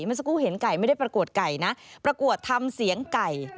เมื่อสักครู่เห็นไก่ไม่ได้ประกวดไก่นะประกวดทำเสียงไก่